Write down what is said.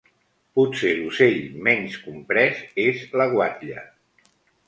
Potser l'ocell menys comprès és la guatlla.